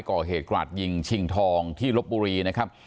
ก่อเหตุกราดยิงชิงทองที่ลบบุรีนะครับ